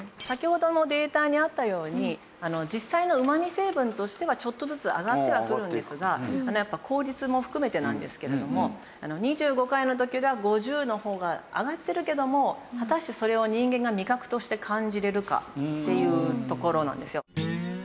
先ほどのデータにあったように実際の旨味成分としてはちょっとずつ上がってはくるんですがやっぱ効率も含めてなんですけれども２５回の時よりは５０の方が上がってるけども果たしてそれを人間が味覚として感じられるかっていうところなんですよ。